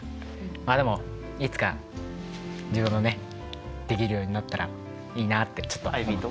まあでもいつか自分もねできるようになったらいいなあってちょっとアイビーと。